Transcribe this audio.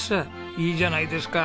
いいじゃないですか！